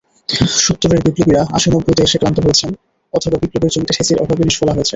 সত্তরের বিপ্লবীরা আশি-নব্বইতে এসে ক্লান্ত হয়েছেন, অথবা বিপ্লবের জমিটা সেচের অভাবে নিষ্ফলা হয়েছে।